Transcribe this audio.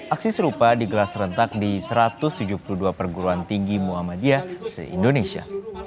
aksi serupa digelar serentak di satu ratus tujuh puluh dua perguruan tinggi muhammadiyah se indonesia